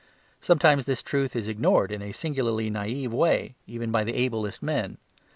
Sometimes this truth is ignored in a singularly naive way, even by the ablest men.